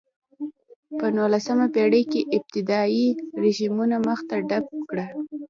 په نولسمه پېړۍ کې استبدادي رژیمونو مخه ډپ کړه.